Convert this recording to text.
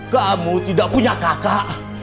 kamu tidak punya kakak